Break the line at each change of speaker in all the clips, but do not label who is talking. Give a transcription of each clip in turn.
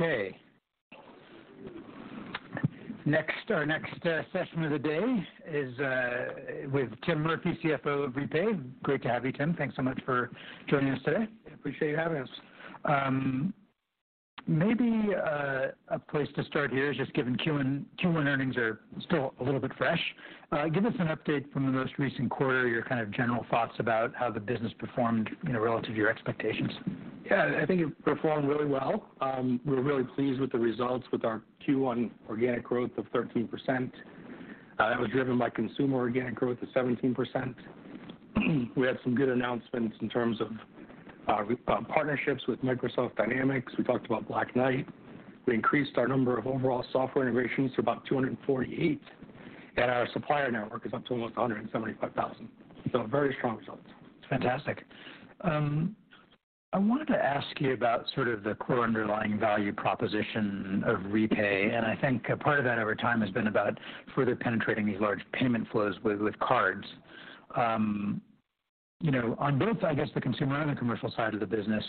Okay. Our next session of the day is with Tim Murphy, CFO of REPAY. Great to have you, Tim. Thanks so much for joining us today.
Appreciate you having us.
Maybe, a place to start here is just given Q1 earnings are still a little bit fresh. Give us an update from the most recent quarter, your kind of general thoughts about how the business performed, you know, relative to your expectations.
Yeah. I think it performed really well. We're really pleased with the results with our Q1 organic growth of 13%. That was driven by consumer organic growth of 17%. We had some good announcements in terms of re- partnerships with Microsoft Dynamics. We talked about Black Knight. We increased our number of overall software integrations to about 248, and our supplier network is up to almost 175,000. Very strong results.
That's fantastic. I wanted to ask you about sort of the core underlying value proposition of REPAY. I think part of that over time has been about further penetrating these large payment flows with cards. you know, on both, I guess, the consumer and the commercial side of the business,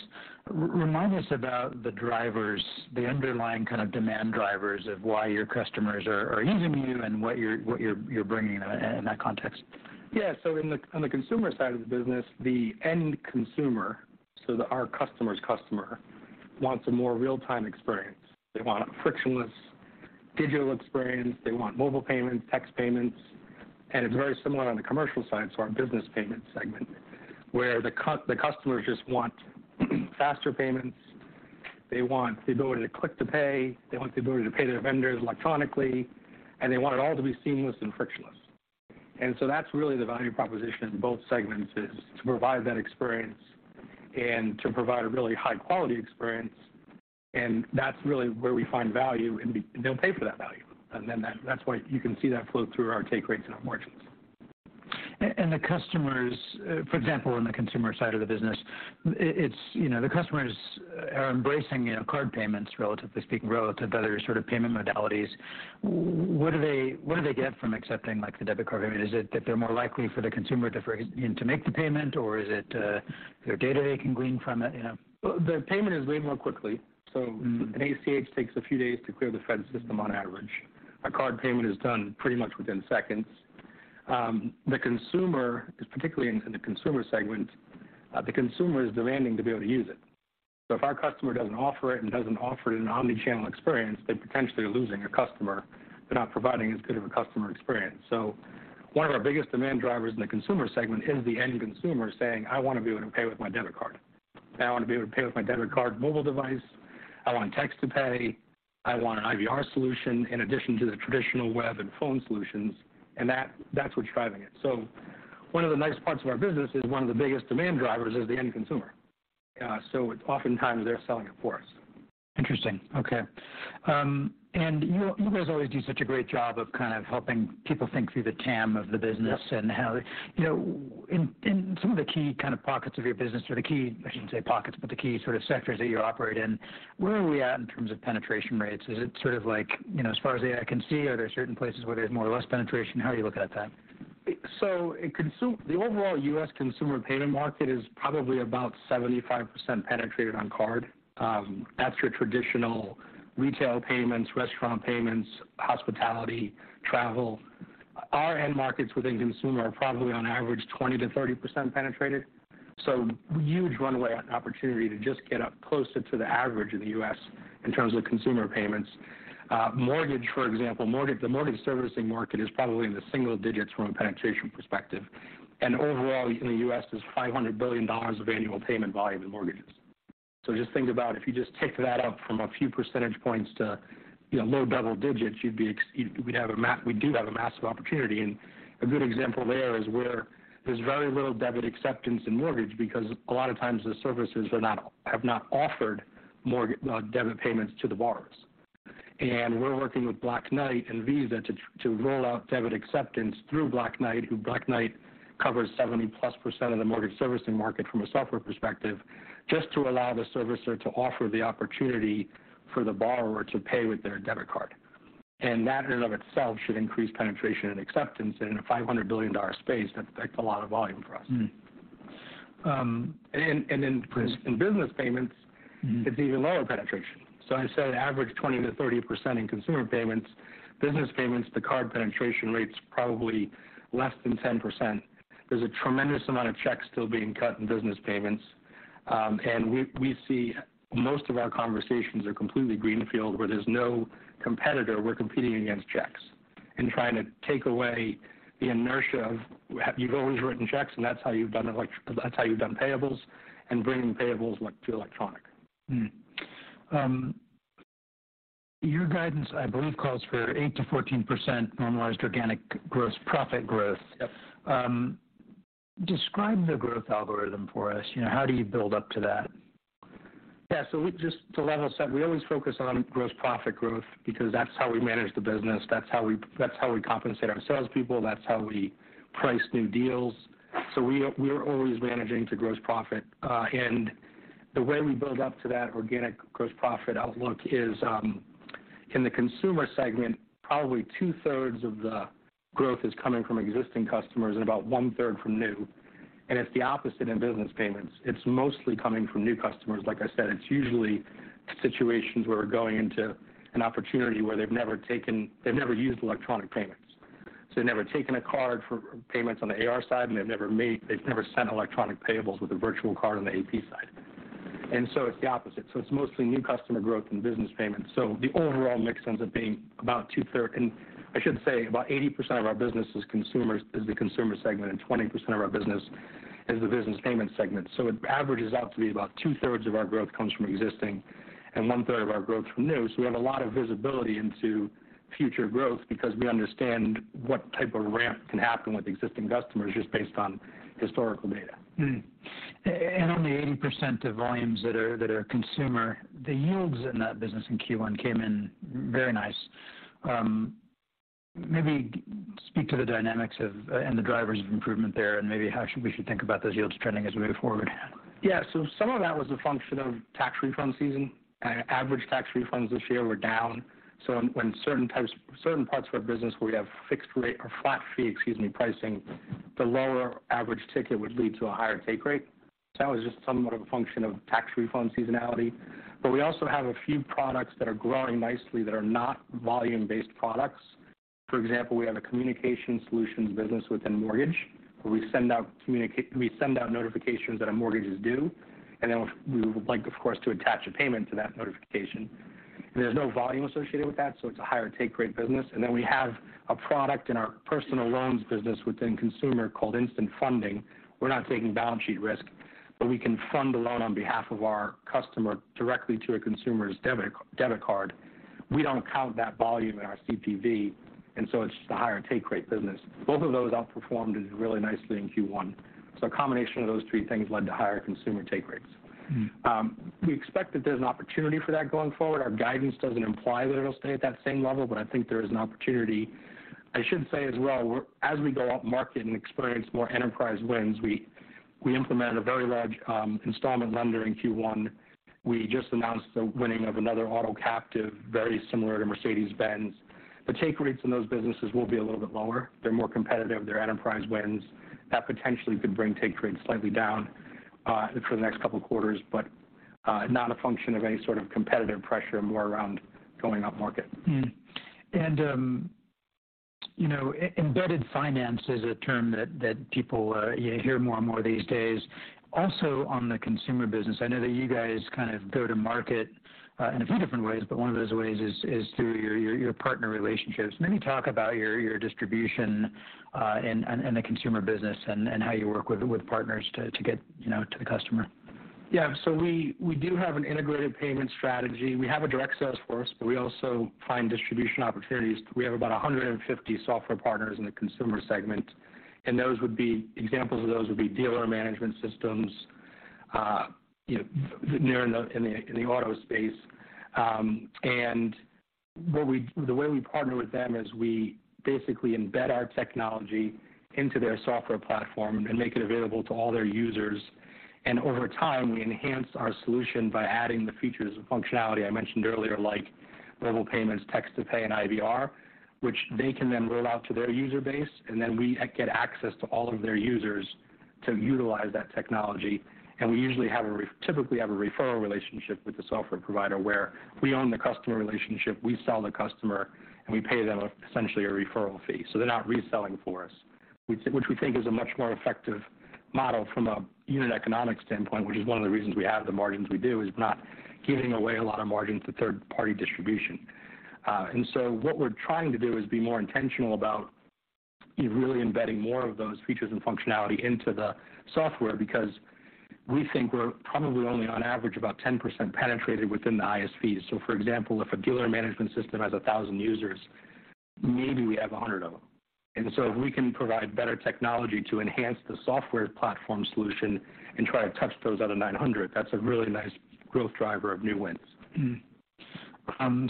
remind us about the drivers, the underlying kind of demand drivers of why your customers are using you and what you're bringing in that, in that context.
Yeah. In the on the consumer side of the business, the end consumer, so our customer's customer wants a more real-time experience. They want a frictionless digital experience, they want mobile payments, text payments. It's very similar on the commercial side, so our business payment segment, where the customers just want faster payments, they want the ability to click-to-pay, they want the ability to pay their vendors electronically. They want it all to be seamless and frictionless. That's really the value proposition in both segments, is to provide that experience and to provide a really high quality experience, and that's really where we find value and they'll pay for that value. That's why you can see that flow through our take rates and our margins.
The customers, for example, on the consumer side of the business, it's, you know, the customers are embracing, you know, card payments relatively speaking, relative to other sort of payment modalities. What do they, what do they get from accepting, like, the debit card payment? Is it that they're more likely for the consumer to you know, to make the payment or is it, their data they can glean from it, you know?
The payment is way more quickly.
Mm.
An ACH takes a few days to clear the Fed system on average. A card payment is done pretty much within seconds. Particularly in the consumer segment, the consumer is demanding to be able to use it. If our customer doesn't offer it and doesn't offer it an omni-channel experience, they're potentially losing a customer. They're not providing as good of a customer experience. One of our biggest demand drivers in the consumer segment is the end consumer saying, "I wanna be able to pay with my debit card, and I wanna be able to pay with my debit card mobile device, I want text to pay, I want an IVR solution in addition to the traditional web and phone solutions," and that's what's driving it. One of the nice parts of our business is one of the biggest demand drivers is the end consumer. It's oftentimes they're selling it for us.
Interesting. Okay. You guys always do such a great job of kind of helping people think through the TAM of the business.
Yeah.
How. You know, in some of the key kind of pockets of your business or the key, I shouldn't say pockets, but the key sort of sectors that you operate in, where are we at in terms of penetration rates? Is it sort of like, you know, as far as the eye can see? Are there certain places where there's more or less penetration? How are you looking at that?
The overall U.S. consumer payment market is probably about 75% penetrated on card. That's your traditional retail payments, restaurant payments, hospitality, travel. Our end markets within consumer are probably on average 20%-30% penetrated, so huge runway opportunity to just get up closer to the average in the U.S. in terms of consumer payments. Mortgage for example, the mortgage servicing market is probably in the single digits from a penetration perspective. Overall in the U.S. is $500 billion of annual payment volume in mortgages. Just think about if you just tick that up from a few percentage points to, you know, low double digits, we do have a massive opportunity. A good example there is where there's very little debit acceptance in mortgage because a lot of times the services have not offered debit payments to the borrowers. We're working with Black Knight and Visa to roll out debit acceptance through Black Knight, who Black Knight covers 70%+ of the mortgage servicing market from a software perspective, just to allow the servicer to offer the opportunity for the borrower to pay with their debit card. That in and of itself should increase penetration and acceptance in a $500 billion space. That's a lot of volume for us.
Mm.
Um, and, and then-
Yes.
in business payments.
Mm-hmm.
it's even lower penetration. I said average 20%-30% in consumer payments. Business payments, the card penetration rate's probably less than 10%. There's a tremendous amount of checks still being cut in business payments. We see most of our conversations are completely greenfield where there's no competitor. We're competing against checks and trying to take away the inertia of you've always written checks and that's how you've done payables and bringing payables to electronic.
Your guidance, I believe, calls for 8%-14% normalized organic gross profit growth.
Yep.
Describe the growth algorithm for us. You know, how do you build up to that?
Yeah. We just, to level set, we always focus on gross profit growth because that's how we manage the business, that's how we compensate our salespeople, that's how we price new deals. We are always managing to gross profit. The way we build up to that organic gross profit outlook is. In the consumer segment, probably two-thirds of the growth is coming from existing customers and about one-third from new. It's the opposite in business payments. It's mostly coming from new customers. Like I said, it's usually situations where we're going into an opportunity where they've never used electronic payments. They've never taken a card for payments on the AR side, and they've never sent electronic payables with a virtual card on the AP side. It's the opposite. It's mostly new customer growth and business payments. The overall mix ends up being. I should say, about 80% of our business is consumers, is the consumer segment, and 20% of our business is the business payment segment. It averages out to be about two-thirds of our growth comes from existing and one-third of our growth from new. We have a lot of visibility into future growth because we understand what type of ramp can happen with existing customers just based on historical data.
On the 80% of volumes that are consumer, the yields in that business in Q1 came in very nice. Maybe speak to the dynamics of, and the drivers of improvement there, and maybe how we should think about those yields trending as we move forward.
Some of that was a function of tax refund season. Average tax refunds this year were down. When certain parts of our business, we have fixed rate or flat fee, excuse me, pricing, the lower average ticket would lead to a higher take rate. That was just somewhat of a function of tax refund seasonality. We also have a few products that are growing nicely that are not volume-based products. For example, we have a communication solutions business within mortgage, where we send out notifications that our mortgage is due, and then we would like, of course, to attach a payment to that notification. There's no volume associated with that, so it's a higher take rate business. We have a product in our personal loans business within consumer called Instant Funding. We're not taking balance sheet risk, but we can fund a loan on behalf of our customer directly to a consumer's debit card. We don't count that volume in our CPV. It's just a higher take rate business. Both of those outperformed really nicely in Q1. A combination of those three things led to higher consumer take rates.
Mm.
We expect that there's an opportunity for that going forward. Our guidance doesn't imply that it'll stay at that same level, but I think there is an opportunity. I should say as well, as we go up market and experience more enterprise wins, we implement a very large installment lender in Q1. We just announced the winning of another auto captive very similar to Mercedes-Benz. The take rates in those businesses will be a little bit lower. They're more competitive. They're enterprise wins. That potentially could bring take rates slightly down for the next couple quarters, but not a function of any sort of competitive pressure more around going up market.
You know, embedded finance is a term that people, you hear more and more these days. Also, on the consumer business, I know that you guys kind of go to market in a few different ways, but one of those ways is through your partner relationships. Maybe talk about your distribution and the consumer business and how you work with partners to get, you know, to the customer?
We do have an integrated payment strategy. We have a direct sales force, but we also find distribution opportunities. We have about 150 software partners in the consumer segment, and those would be examples of those would be dealer management systems, you know, near in the auto space. The way we partner with them is we basically embed our technology into their software platform and make it available to all their users. Over time, we enhance our solution by adding the features and functionality I mentioned earlier, like mobile payments, text-to-pay, and IVR, which they can then roll out to their user base, we get access to all of their users to utilize that technology. We usually typically have a referral relationship with the software provider where we own the customer relationship, we sell the customer, and we pay them essentially a referral fee. They're not reselling for us, which we think is a much more effective model from a unit economic standpoint, which is one of the reasons we have the margins we do, is we're not giving away a lot of margins to third-party distribution. What we're trying to do is be more intentional about really embedding more of those features and functionality into the software because we think we're probably only on average about 10% penetrated within the ISVs. For example, if a dealer management system has 1,000 users, maybe we have 100 of them. If we can provide better technology to enhance the software platform solution and try to touch those other 900, that's a really nice growth driver of new wins.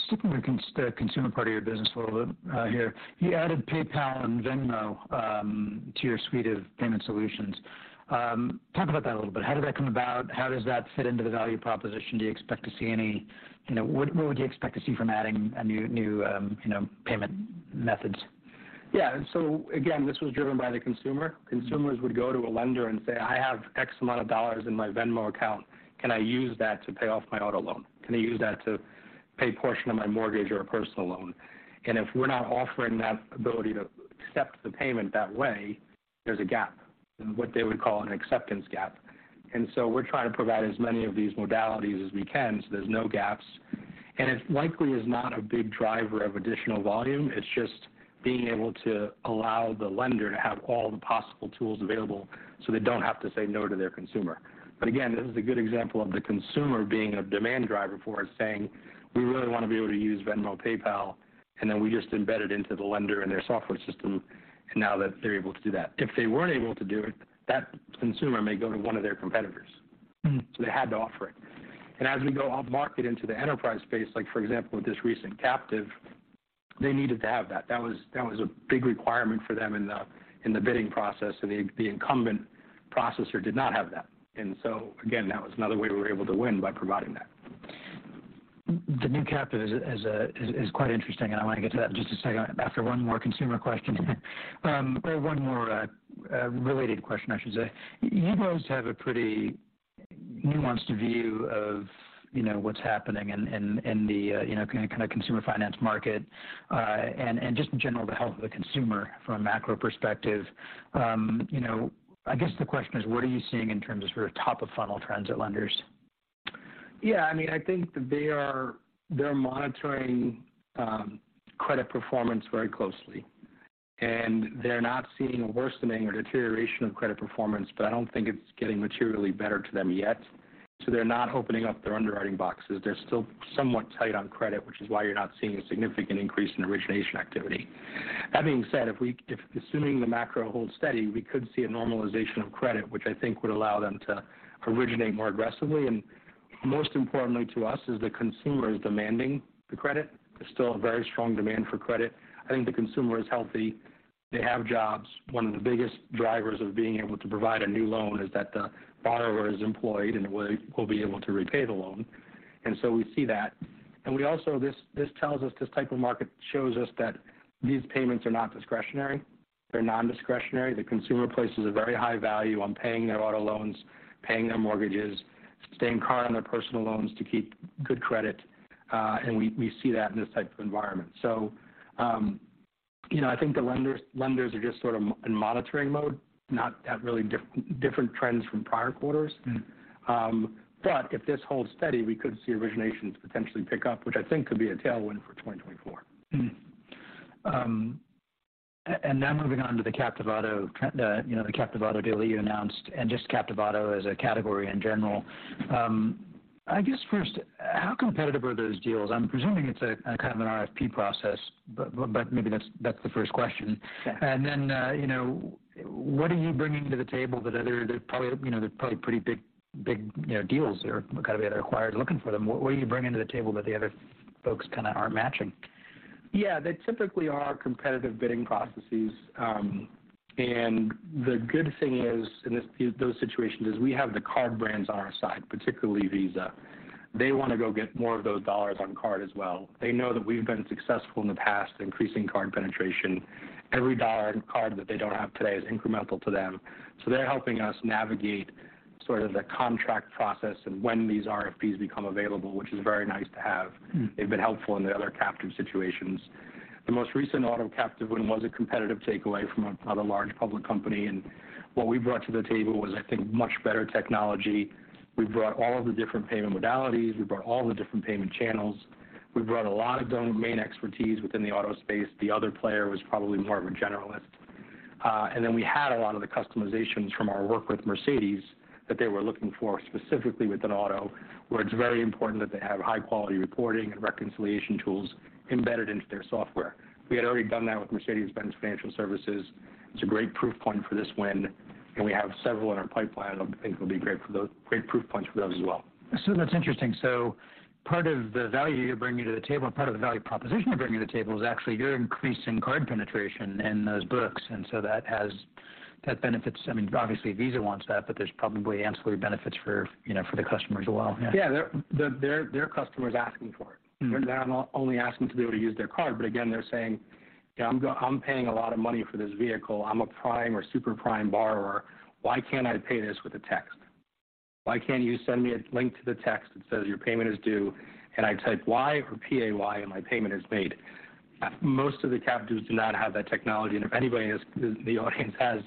Sticking with the consumer part of your business a little bit, here, you added PayPal and Venmo to your suite of payment solutions. Talk about that a little bit. How did that come about? How does that fit into the value proposition? Do you expect to see any, you know, what would you expect to see from adding a new payment methods?
Again, this was driven by the consumer. Consumers would go to a lender and say, "I have X amount of dollars in my Venmo account. Can I use that to pay off my auto loan? Can I use that to pay portion of my mortgage or a personal loan?" If we're not offering that ability to accept the payment that way, there's a gap, and what they would call an acceptance gap. We're trying to provide as many of these modalities as we can so there's no gaps. It likely is not a big driver of additional volume. It's just being able to allow the lender to have all the possible tools available, so they don't have to say no to their consumer. Again, this is a good example of the consumer being a demand driver for it, saying, "We really wanna be able to use Venmo, PayPal," and then we just embed it into the lender and their software system, and now they're able to do that. If they weren't able to do it, that consumer may go to one of their competitors.
Mm.
They had to offer it. As we go up market into the enterprise space, like for example, with this recent captive. They needed to have that. That was a big requirement for them in the bidding process, and the incumbent processor did not have that. Again, that was another way we were able to win by providing that.
The new captive is quite interesting, and I wanna get to that in just a second after one more consumer question. Or one more related question, I should say. You guys have a pretty nuanced view of, you know, what's happening in the, you know, kinda consumer finance market, and just in general, the health of the consumer from a macro perspective. You know, I guess the question is: What are you seeing in terms of sort of top of funnel trends at lenders?
I mean, I think that they're monitoring credit performance very closely. They're not seeing a worsening or deterioration of credit performance, I don't think it's getting materially better to them yet. They're not opening up their underwriting boxes. They're still somewhat tight on credit, which is why you're not seeing a significant increase in origination activity. That being said, if assuming the macro holds steady, we could see a normalization of credit, which I think would allow them to originate more aggressively. Most importantly to us is the consumer is demanding the credit. There's still a very strong demand for credit. I think the consumer is healthy. They have jobs. One of the biggest drivers of being able to provide a new loan is that the borrower is employed and will be able to repay the loan. We see that. We also. This tells us, this type of market shows us that these payments are not discretionary. They're non-discretionary. The consumer places a very high value on paying their auto loans, paying their mortgages, staying current on their personal loans to keep good credit, and we see that in this type of environment. You know, I think the lenders are just sort of in monitoring mode, not that really different trends from prior quarters.
Mm-hmm.
If this holds steady, we could see originations potentially pick up, which I think could be a tailwind for 2024.
Now moving on to the Captive auto, you know, the Captive auto deal that you announced and just Captive auto as a category in general. I guess first, how competitive are those deals? I'm presuming it's a kind of an RFP process, but maybe that's the first question.
Sure.
Then, you know, what are you bringing to the table that other? There probably, you know, there are probably pretty big, you know, deals there. What kind of acquired are looking for them? What are you bringing to the table that the other folks kinda aren't matching?
They typically are competitive bidding processes. The good thing is those situations is we have the card brands on our side, particularly Visa. They wanna go get more of those dollars on card as well. They know that we've been successful in the past increasing card penetration. Every dollar in card that they don't have today is incremental to them. They're helping us navigate sort of the contract process and when these RFPs become available, which is very nice to have.
Mm-hmm.
They've been helpful in the other captive situations. The most recent auto captive one was a competitive takeaway from another large public company. What we brought to the table was, I think, much better technology. We brought all of the different payment modalities. We brought all the different payment channels. We brought a lot of domain expertise within the auto space. The other player was probably more of a generalist. We had a lot of the customizations from our work with Mercedes-Benz that they were looking for specifically with an auto, where it's very important that they have high-quality reporting and reconciliation tools embedded into their software. We had already done that with Mercedes-Benz Financial Services. It's a great proof point for this win. We have several in our pipeline. I think it'll be great for those, great proof points for those as well.
That's interesting. Part of the value you're bringing to the table and part of the value proposition you're bringing to the table is actually you're increasing card penetration in those books, and so that has. That benefits, I mean, obviously Visa wants that, but there's probably ancillary benefits for, you know, for the customer as well. Yeah.
Yeah. Their customer's asking for it.
Mm-hmm.
They're not only asking to be able to use their card, but again, they're saying, "Yeah. I'm paying a lot of money for this vehicle. I'm a prime or super prime borrower. Why can't I pay this with a text? Why can't you send me a link to the text that says your payment is due, and I type Y or P-A-Y, and my payment is made?" Most of the captives do not have that technology. If anybody has, in the audience, has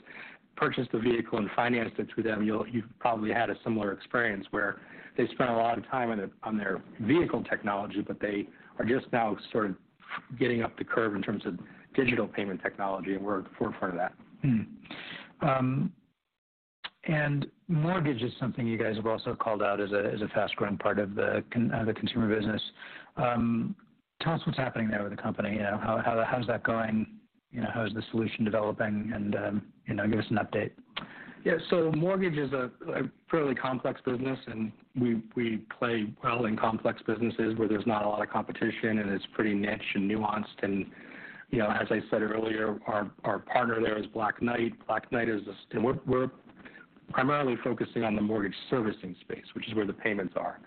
purchased a vehicle and financed it through them, you'll, you've probably had a similar experience where they spent a lot of time on their vehicle technology, they are just now sort of getting up the curve in terms of digital payment technology, and we're at the forefront of that.
Mortgage is something you guys have also called out as a, as a fast-growing part of the consumer business. Tell us what's happening there with the company. You know, how is that going? You know, how is the solution developing and, you know, give us an update.
Yeah. Mortgage is a fairly complex business, and we play well in complex businesses where there's not a lot of competition, and it's pretty niche and nuanced. You know, as I said earlier, our partner there is Black Knight. Black Knight. We're primarily focusing on the mortgage servicing space, which is where the payments are.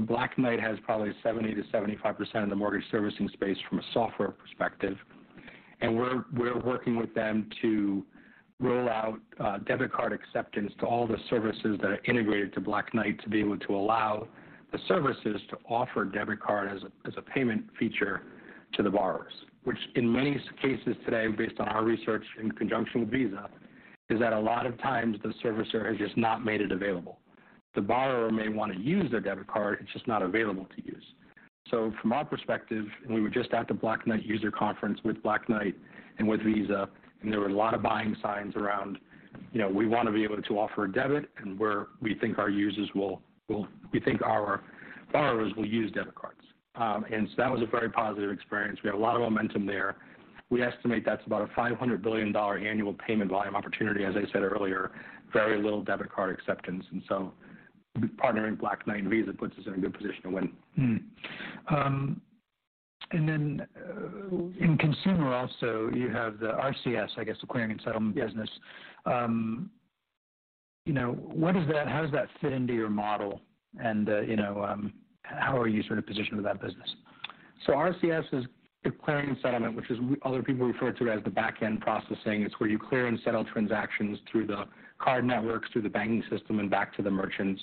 Black Knight has probably 70%-75% of the mortgage servicing space from a software perspective. We're working with them to roll out debit card acceptance to all the services that are integrated to Black Knight to be able to allow the services to offer debit card as a payment feature to the borrowers, which in many cases today, based on our research in conjunction with Visa, is that a lot of times the servicer has just not made it available. The borrower may wanna use their debit card, it's just not available to use. From our perspective, we were just at the Black Knight user conference with Black Knight and with Visa, there were a lot of buying signs around, you know, we wanna be able to offer a debit and We think our borrowers will use debit cards. That was a very positive experience. We have a lot of momentum there. We estimate that's about a $500 billion annual payment volume opportunity. As I said earlier, very little debit card acceptance. Partnering Black Knight and Visa puts us in a good position to win.
In consumer also, you have the RCS, I guess, the clearing and settlement business. You know, how does that fit into your model and, you know, how are you sort of positioned with that business?
RCS is the clearing and settlement, other people refer to as the back-end processing. It's where you clear and settle transactions through the card networks, through the banking system, and back to the merchants.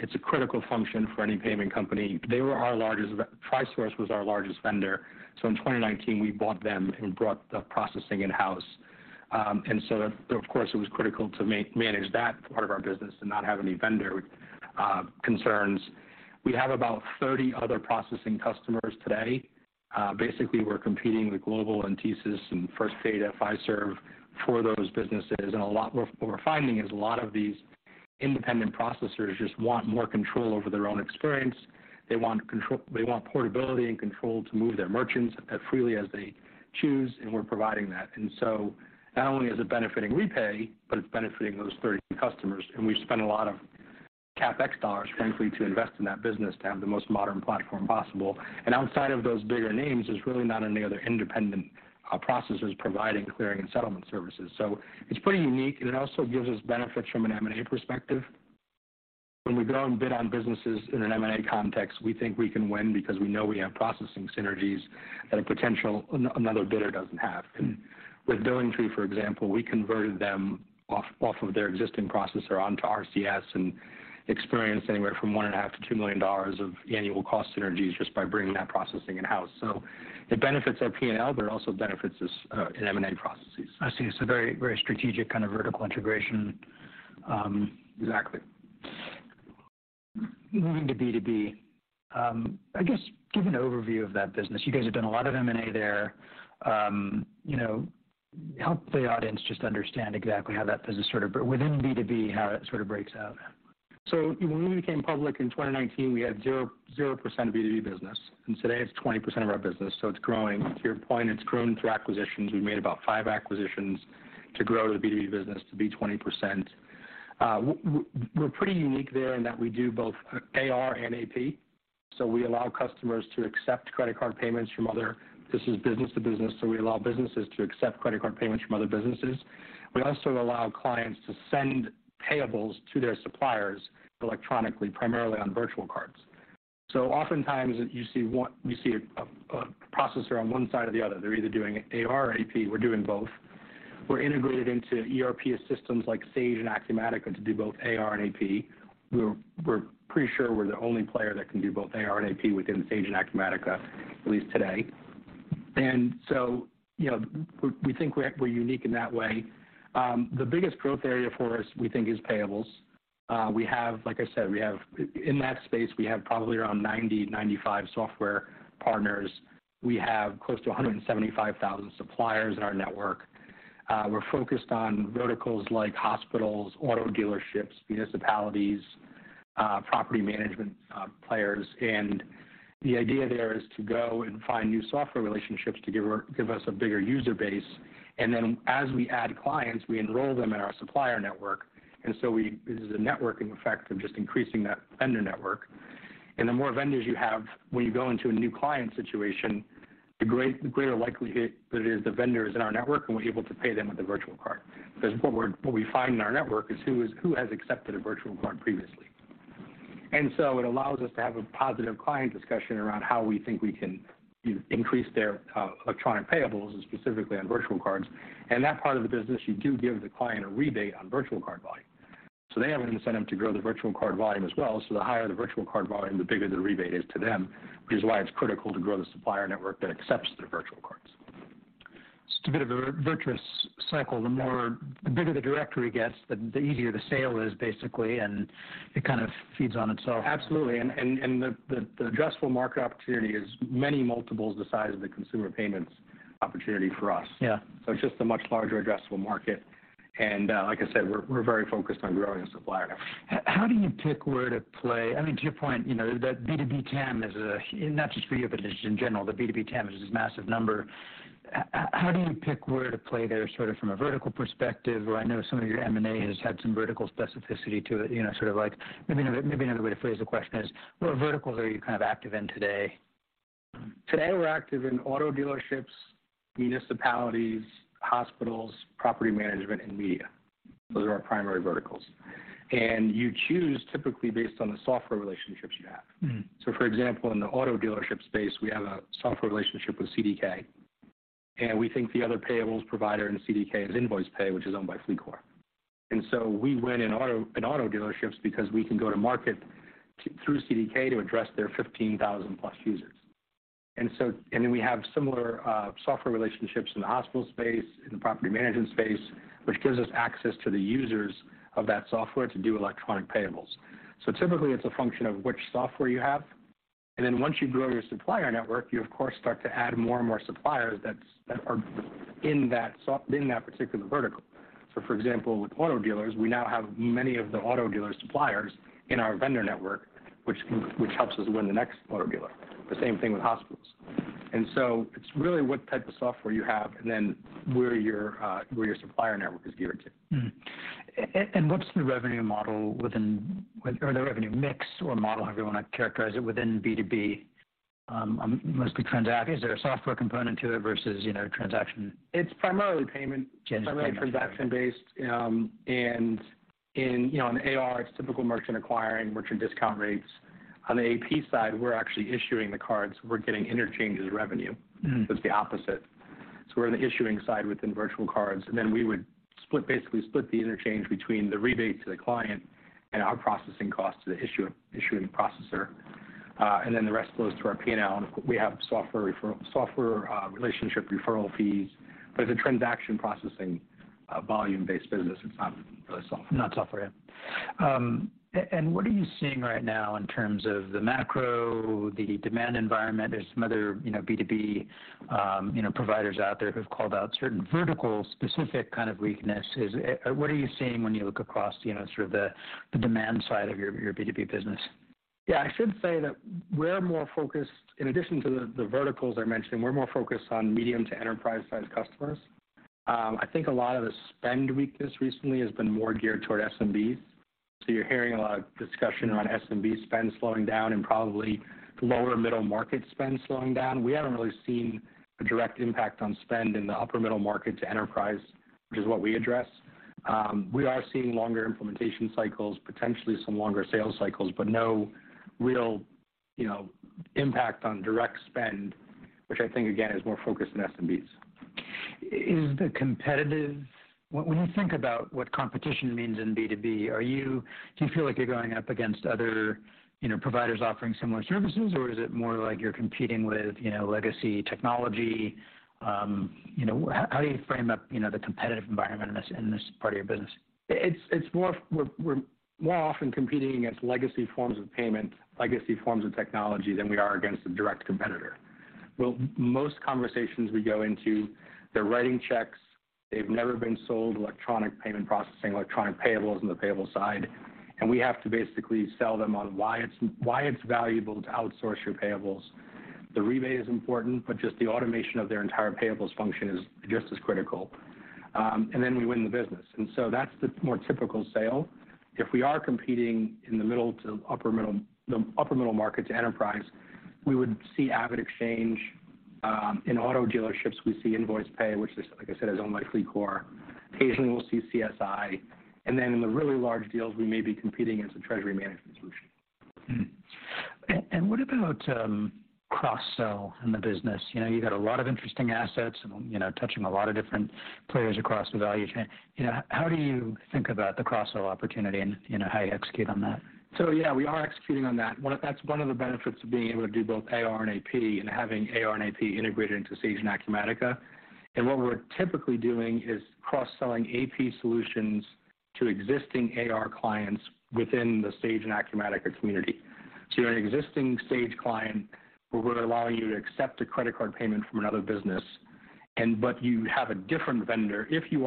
It's a critical function for any payment company. Tri-Source was our largest vendor, so in 2019 we bought them and brought the processing in-house. Of course, it was critical to manage that part of our business and not have any vendor concerns. We have about 30 other processing customers today. Basically, we're competing with Global and TSYS and First Data, Fiserv for those businesses. What we're finding is a lot of these independent processors just want more control over their own experience. They want portability and control to move their merchants as freely as they choose, and we're providing that. Not only is it benefiting REPAY, but it's benefiting those 30 customers. We've spent a lot of CapEx dollars, frankly, to invest in that business to have the most modern platform possible. Outside of those bigger names, there's really not any other independent processors providing clearing and settlement services. It's pretty unique, and it also gives us benefits from an M&A perspective. When we go and bid on businesses in an M&A context, we think we can win because we know we have processing synergies that another bidder doesn't have. With BillingTree, for example, we converted them off of their existing processor onto RCS and experienced anywhere from one and a half million dollars to $2 million of annual cost synergies just by bringing that processing in-house. It benefits our P&L, but it also benefits us in M&A processes.
I see. It's a very, very strategic kind of vertical integration.
Exactly.
Moving to B2B. I guess give an overview of that business. You guys have done a lot of M&A there. you know, help the audience just understand exactly how that business within B2B, how it sort of breaks out.
When we became public in 2019, we had 0% of B2B business, and today it's 20% of our business, so it's growing. To your point, it's grown through acquisitions. We made about five acquisitions to grow the B2B business to be 20%. We're pretty unique there in that we do both AR and AP. We allow customers to accept credit card payments. This is business to business, so we allow businesses to accept credit card payments from other businesses. We also allow clients to send payables to their suppliers electronically, primarily on virtual cards. Oftentimes you see a processor on one side or the other. They're either doing AR or AP. We're doing both. We're integrated into ERP systems like Sage and Acumatica to do both AR and AP. We're pretty sure we're the only player that can do both AR and AP within Sage and Acumatica, at least today. you know, we think we're unique in that way. The biggest growth area for us, we think, is payables. Like I said, we have in that space, we have probably around 90-95 software partners. We have close to 175,000 suppliers in our network. We're focused on verticals like hospitals, auto dealerships, municipalities, property management players. The idea there is to go and find new software relationships to give us a bigger user base. As we add clients, we enroll them in our supplier network. This is a networking effect of just increasing that vendor network. The more vendors you have when you go into a new client situation, the greater likelihood that it is the vendor is in our network and we're able to pay them with a virtual card. What we find in our network is who has accepted a virtual card previously. It allows us to have a positive client discussion around how we think we can increase their electronic payables, and specifically on virtual cards. That part of the business, you do give the client a rebate on virtual card volume. They have an incentive to grow the virtual card volume as well. The higher the virtual card volume, the bigger the rebate is to them, which is why it's critical to grow the supplier network that accepts their virtual cards.
Just a bit of a virtuous cycle. The bigger the directory gets, the easier the sale is basically, It kind of feeds on itself.
Absolutely. The addressable market opportunity is many multiples the size of the consumer payments opportunity for us.
Yeah.
It's just a much larger addressable market. Like I said, we're very focused on growing the supplier network.
How do you pick where to play? I mean, to your point, you know, the B2B TAM is, not just for you, but just in general, the B2B TAM is this massive number. How do you pick where to play there, sort of from a vertical perspective? I know some of your M&A has had some vertical specificity to it. You know, sort of like maybe another way to phrase the question is, what verticals are you kind of active in today?
Today we're active in auto dealerships, municipalities, hospitals, property management, and media. Those are our primary verticals. You choose typically based on the software relationships you have.
Mm.
For example, in the auto dealership space, we have a software relationship with CDK. We think the other payables provider in CDK is Nvoicepay, which is owned by FLEETCOR. We win in auto dealerships because we can go to market through CDK to address their 15,000+ users. Then we have similar software relationships in the hospital space, in the property management space, which gives us access to the users of that software to do electronic payables. Typically, it's a function of which software you have. Once you grow your supplier network, you of course start to add more and more suppliers that are in that particular vertical. For example, with auto dealers, we now have many of the auto dealer suppliers in our vendor network. Which helps us win the next auto dealer. The same thing with hospitals. It's really what type of software you have and then where your, where your supplier network is geared to.
What's the revenue model or the revenue mix or model, however you wanna characterize it, within B2B, Is there a software component to it versus, you know, transaction?
It's primarily payment-
Okay.
primarily transaction based. In, you know, in AR, it's typical merchant acquiring, merchant discount rates. On the AP side, we're actually issuing the cards, we're getting interchanges revenue.
Mm.
It's the opposite. We're on the issuing side within virtual cards, and then we would split, basically split the interchange between the rebate to the client and our processing cost to the issuer, issuing processor. Then the rest flows through our P&L, and of course, we have software relationship referral fees. It's a transaction processing volume-based business. It's not really software.
Not software. What are you seeing right now in terms of the macro, the demand environment? There's some other, you know, B2B, you know, providers out there who've called out certain vertical specific kind of weakness. What are you seeing when you look across, you know, sort of the demand side of your B2B business?
I should say that we're more focused. In addition to the verticals I mentioned, we're more focused on medium to enterprise-sized customers. I think a lot of the spend weakness recently has been more geared toward SMBs, you're hearing a lot of discussion around SMB spend slowing down and probably lower middle market spend slowing down. We haven't really seen a direct impact on spend in the upper middle market to enterprise, which is what we address. We are seeing longer implementation cycles, potentially some longer sales cycles, no real, you know, impact on direct spend, which I think, again, is more focused in SMBs.
When you think about what competition means in B2B, do you feel like you're going up against other, you know, providers offering similar services, or is it more like you're competing with, you know, legacy technology? You know, how do you frame up, you know, the competitive environment in this, in this part of your business?
It's more often competing against legacy forms of payment, legacy forms of technology than we are against a direct competitor. Well, most conversations we go into, they're writing checks, they've never been sold electronic payment processing, electronic payables on the payable side, and we have to basically sell them on why it's valuable to outsource your payables. The rebate is important, but just the automation of their entire payables function is just as critical. We win the business. That's the more typical sale. If we are competing in the middle to upper middle, the upper middle market to enterprise, we would see AvidXchange. In auto dealerships, we see Nvoicepay, which is, like I said, is owned by FLEETCOR. Occasionally, we'll see CSI. In the really large deals, we may be competing as a treasury management solution.
What about cross-sell in the business? You know, you've got a lot of interesting assets and, you know, touching a lot of different players across the value chain. You know, how do you think about the cross-sell opportunity and, you know, how you execute on that?
Yeah, we are executing on that. That's one of the benefits of being able to do both AR and AP and having AR and AP integrated into Sage Intacct. What we're typically doing is cross-selling AP solutions to existing AR clients within the Sage Intacct community. You're an existing Sage client where we're allowing you to accept a credit card payment from another business, but you have a different vendor. If you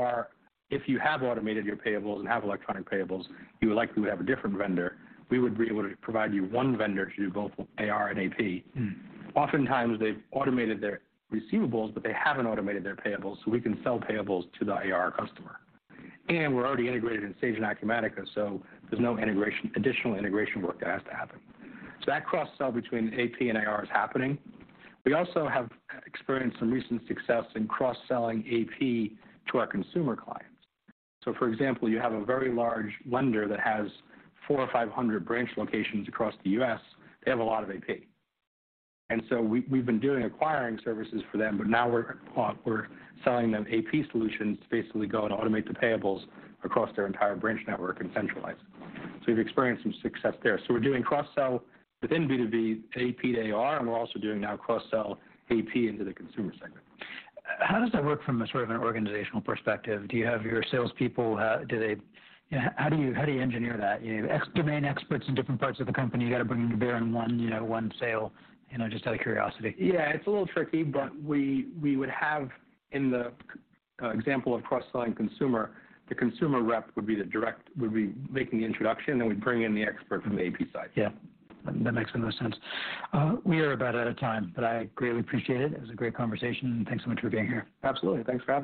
have automated your payables and have electronic payables, you would likely have a different vendor. We would be able to provide you one vendor to do both AR and AP.
Mm.
Oftentimes, they've automated their receivables, but they haven't automated their payables, so we can sell payables to the AR customer. We're already integrated in Sage Intacct, so there's no integration, additional integration work that has to happen. That cross-sell between AP and AR is happening. We also have experienced some recent success in cross-selling AP to our consumer clients. For example, you have a very large lender that has 400 or 500 branch locations across the U.S., they have a lot of AP. We've been doing acquiring services for them, but now we're selling them AP solutions to basically go and automate the payables across their entire branch network and centralize it. We've experienced some success there. We're doing cross-sell within B2B, AP to AR, and we're also doing now cross-sell AP into the consumer segment.
How does that work from a sort of an organizational perspective? Do you have your salespeople, you know, how do you engineer that? You have ex-domain experts in different parts of the company you gotta bring in to bear on one, you know, one sale. You know, just out of curiosity.
Yeah. It's a little tricky-.
Yeah.
We would have in the example of cross-selling consumer, the consumer rep would be making the introduction, and we'd bring in the expert from the AP side.
Yeah. That makes the most sense. We are about out of time, but I greatly appreciate it. It was a great conversation, and thanks so much for being here.
Absolutely. Thanks for having me.